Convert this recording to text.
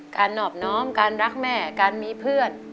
หนอบน้อมการรักแม่การมีเพื่อน